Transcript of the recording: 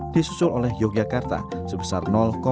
disusul oleh yogyakarta sebesar empat ratus dua puluh